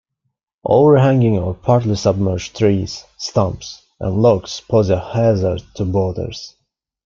Overhanging or partly submerged trees, stumps, and logs pose a hazard to boaters.